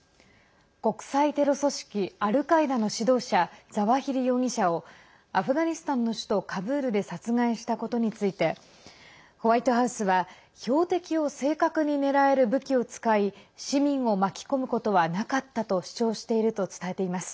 国際テロ組織アルカイダの指導者ザワヒリ容疑者をアフガニスタンの首都カブールで殺害したことについてホワイトハウスは標的を正確に狙える武器を使い市民を巻き込むことはなかったと主張していると伝えています。